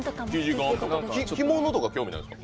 着物とか興味ないんですか？